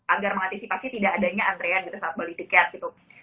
agar mengantisipasi tidak adanya antrean gitu saat beli tiket gitu